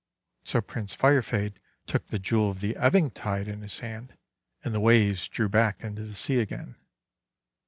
So Prince Firefade took the Jewel of the Ebb ing Tide in his hand, and the waves drew back into the sea again.